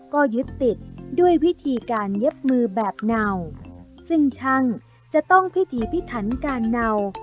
ก็ยึดติดด้วยวิธีการเย็บมือแบบเนาซึ่งช่างจะต้องพิถีพิถันการเนา